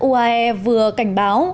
uae vừa cảnh báo